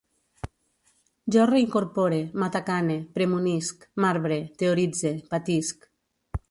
Jo reincorpore, matacane, premunisc, marbre, teoritze, patisc